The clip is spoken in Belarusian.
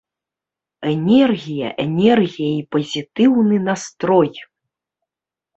Энергія, энергія і пазітыўны настрой.